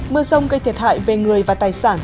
mưa sông gây thiệt hại về người và tài sản